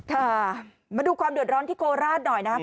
ค่ะมาดูความเดือดร้อนที่โคราชหน่อยนะครับ